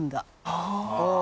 ああ。